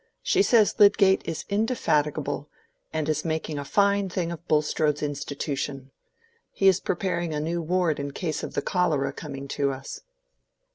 She says Lydgate is indefatigable, and is making a fine thing of Bulstrode's institution. He is preparing a new ward in case of the cholera coming to us."